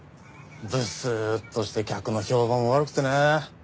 ブスーッとして客の評判も悪くてね。